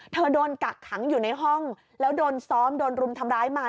โดนกักขังอยู่ในห้องแล้วโดนซ้อมโดนรุมทำร้ายมา